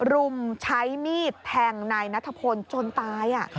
รุมใช้มีดแทงนายนัทพลจนตาย